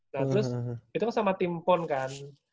nah terus itu kan sama tim pon kan